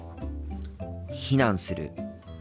避難する。